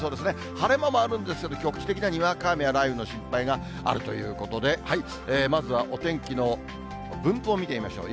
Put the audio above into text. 晴れ間もあるんですけど、局地的なにわか雨や雷雨の心配があるということで、まずはお天気の分布を見てみましょう。